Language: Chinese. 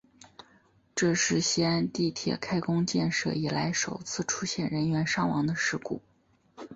这是西安地铁开工建设以来首次出现人员伤亡的事故。